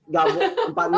gak boleh empat puluh enam